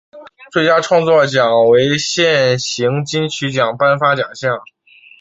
最佳创作奖为现行金曲奖颁发奖项。